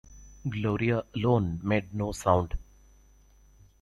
Gloria alone made no sound.